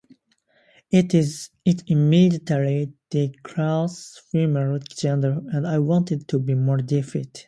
It immediately declares female gender and I wanted to be more deft.